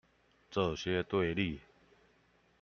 這些對立